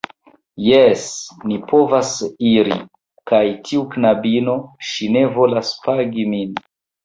Jes, ni povas iri. Kaj tiu knabino, ŝi ne volas pagi min.